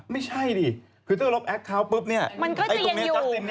ไปแอ้มเข้าแต่ตรงนี้จัสติ้นเนี่ย